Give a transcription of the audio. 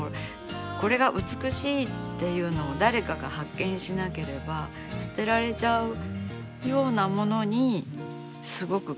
これが美しいっていうのを誰かが発見しなければ捨てられちゃうようなものにすごく気持ちがそそられるっていうか。